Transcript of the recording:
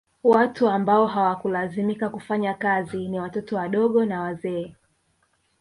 Watu ambao hawakulazimika kufanya kazi ni watoto wadogo na wazee